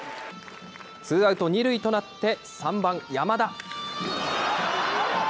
ツーアウト２塁となって３番山田。